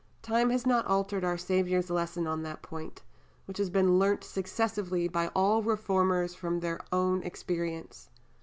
Time has not altered our Saviour's lesson on that point, which has been learnt successively by all reformers from their own experience.